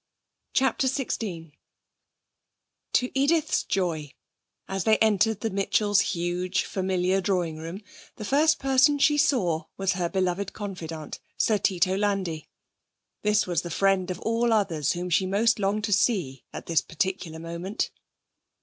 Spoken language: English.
CHAPTER XVI To Edith's joy, as they entered the Mitchell's huge, familiar drawing room, the first person she saw was her beloved confidant, Sir Tito Landi. This was the friend of all others whom she most longed to see at this particular moment.